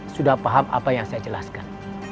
sudah paham apa yang saya jelaskan